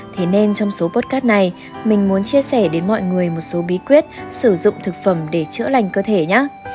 thế nên trong số podcast này mình muốn chia sẻ đến mọi người một số bí quyết sử dụng thực phẩm để chữa lành cơ thể nhé